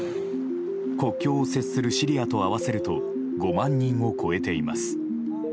国境を接するシリアと合わせると５万人を超えています。